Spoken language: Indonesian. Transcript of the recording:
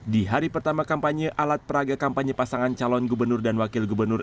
di hari pertama kampanye alat peraga kampanye pasangan calon gubernur dan wakil gubernur